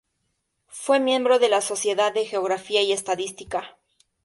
Fue miembro de la Sociedad de Geografía y Estadística.